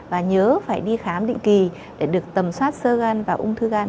và nhớ phải đi khám định kỳ để được tầm soát sơ gan và ung thư gan